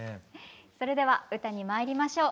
それでは歌にまいりましょう。